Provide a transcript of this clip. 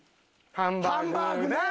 ハンバーグね！